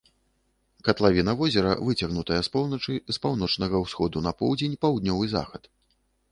Катлавіна возера выцягнутая з поўначы, з паўночнага ўсходу на поўдзень, паўднёвы захад.